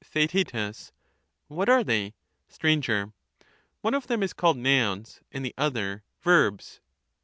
Theaet. What are they ? Str. One of them is called nouns, and the other verbs.